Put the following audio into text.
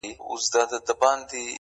ځوانیمرګي ځوانۍ ځه مخته دي ښه شه-